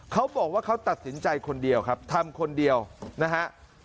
เขาบอกว่าเขาตัดสินใจคนเดียวครับทำคนเดียวนะฮะ